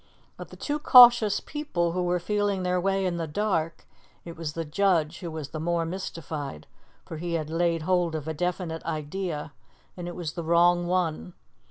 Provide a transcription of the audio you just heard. Of the two cautious people who were feeling their way in the dark, it was the judge who was the more mystified, for he had laid hold of a definite idea, and it was the wrong one.